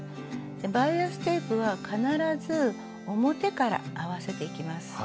バイアステープは必ず表から合わせていきます。